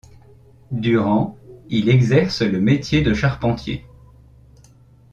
Durant il exerce le métier de charpentier.